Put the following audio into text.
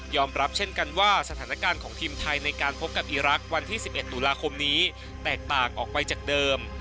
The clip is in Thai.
รับเช่นกันว่าสถานการณ์ของทีมไทยในการพบกับอีรักษ์วันที่๑๑ตุลาคมนี้แตกต่างออกไปจากเดิม